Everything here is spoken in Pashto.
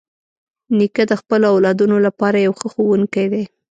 نیکه د خپلو اولادونو لپاره یو ښه ښوونکی دی.